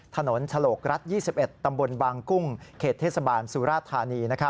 ฉลกรัฐ๒๑ตำบลบางกุ้งเขตเทศบาลสุราธานี